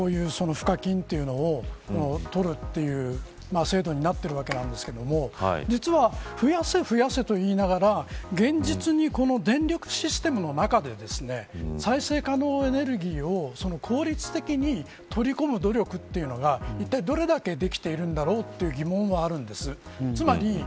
再生可能エネルギーを増やせ、増やせということで一般家庭からもこういう賦課金というのを取るという制度になっているわけなんですが実は、増やせ増やせと言いながら現実にこの電力システムの中で再生可能エネルギーを効率的に取り込む努力というのがいったい、どれだけできているんだろうという疑問はあるんです。